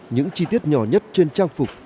những chi tiết nhỏ nhất trên trang phục